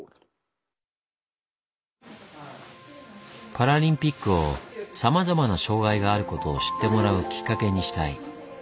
パラリンピックをさまざまな障害があることを知ってもらうきっかけにしたい。